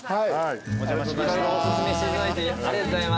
おすすめしていただいてありがとうございます。